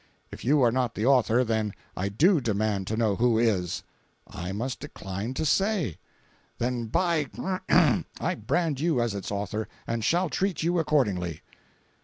"If you are not the author, then I do demand to know who is?" "I must decline to say." "Then, by—, I brand you as its author, and shall treat you accordingly."